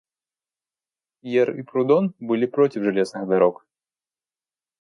Тьер и Прудон были против железных дорог.